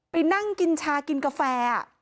ไปนั่งกินชากินกาแฟ